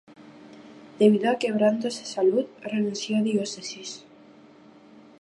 Debido a quebrantos de salud renunció a la Diócesis.